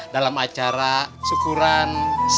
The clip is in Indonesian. dalam acara syukuran sembuhnya